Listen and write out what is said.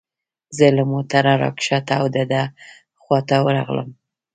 زه له موټره را کښته او د ده خواته ورغلم.